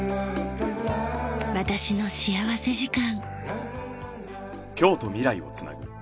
『私の幸福時間』。